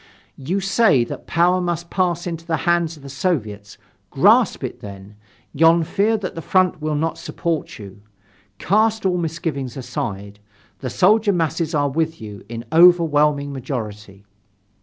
"You say that power must pass into the hands of the Soviets, grasp it then. Yon fear that the front will not support you. Cast all misgivings aside, the soldier masses are with you in overwhelming majority."